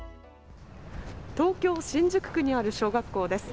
東京新宿区にある小学校です。